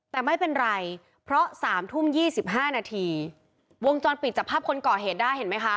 แต่ไม่เป็นไรเพราะสามทุ่ม๒๕นาทีวงจรปิดจับภาพคนก่อเหตุได้เห็นไหมคะ